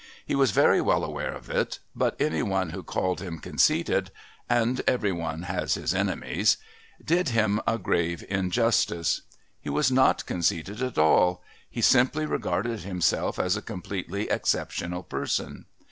He was very well aware of it, but any one who called him conceited (and every one has his enemies) did him a grave injustice. He was not conceited at all he simply regarded himself as a completely exceptional person.